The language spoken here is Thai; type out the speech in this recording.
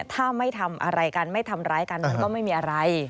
ถ้าไม่ทำอะไรกันไม่ทำร้ายกันมันก็ไม่มีอะไร